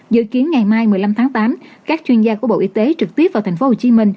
dự kiến ngày mai một mươi năm tháng tám các chuyên gia của bộ y tế trực tiếp vào tp hcm